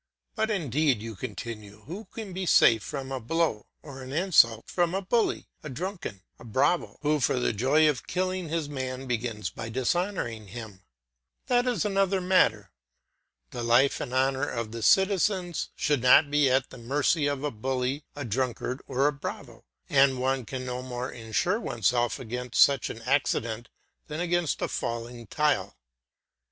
But, indeed, you continue, who can be safe from a blow, or an insult from a bully, a drunkard, a bravo, who for the joy of killing his man begins by dishonouring him? That is another matter. The life and honour of the citizens should not be at the mercy of a bully, a drunkard, or a bravo, and one can no more insure oneself against such an accident than against a falling tile.